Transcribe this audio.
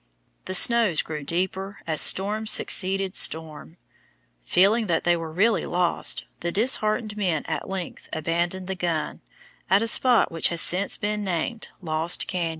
The snows grew deeper as storm succeeded storm. Feeling that they were really lost, the disheartened men at length abandoned the gun, at a spot which has since been named Lost Cañon.